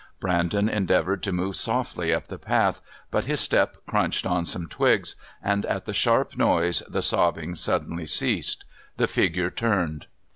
Brandon endeavoured to move softly up the path, but his step crunched on some twigs, and at the sharp noise the sobbing suddenly ceased. The figure turned.